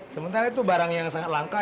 sementara itu barang yang sangat langka